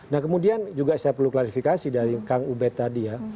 nah kemudian juga saya perlu klarifikasi dari kang ubed tadi ya